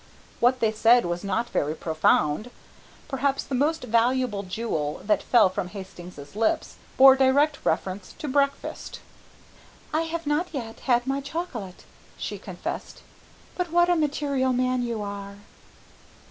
What they said was not very profound. Perhaps the most valuable jewel that fell from Hastings' lips bore direct reference to breakfast. "I have not yet had my chocolate," she confessed, "but what a material man you are."